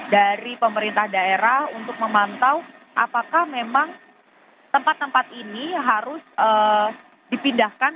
dari pemerintah daerah untuk memantau apakah memang tempat tempat ini harus dipindahkan